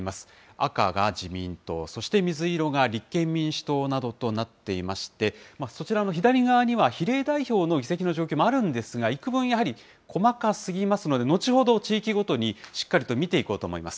赤が自民党、そして水色が立憲民主党などとなっていまして、そちらの左側には、比例代表の議席の状況もあるんですが、いくぶんやはり、細かすぎますので、後ほど地域ごとに、しっかりと見ていこうと思います。